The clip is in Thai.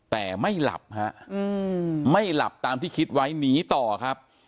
แต่ไม่หลับฮะไม่หลับตามที่คิดไว้หนีต่อครับ